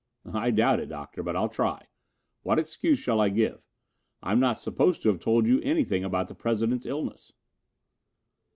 "I doubt it, Doctor, but I'll try. What excuse shall I give? I am not supposed to have told you anything about the President's illness."